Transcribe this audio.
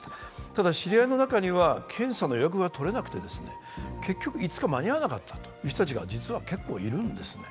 ただ、知り合いの中には検査の予約が取れなくて結局、５日間に合わなかったという人たちが結構いるんですね。